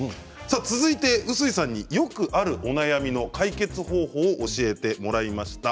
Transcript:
続いてうすいさんに、よくあるお悩みの解決方法を教えていただきました。